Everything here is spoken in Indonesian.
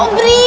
ini kita lihat